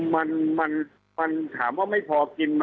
มันมันถามว่าไม่พอกิน